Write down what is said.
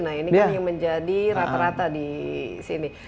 nah ini kan yang menjadi rata rata di sini